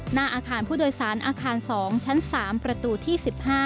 หน้าอาคารผู้โดยสารอาคาร๒ชั้น๓ประตูที่๑๕